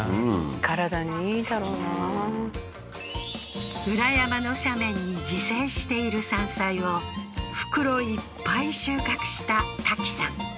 体にいいだろうな裏山の斜面に自生している山菜を袋いっぱい収穫したタキさん